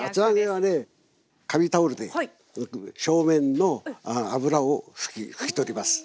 紙タオルで表面の油を拭き取ります。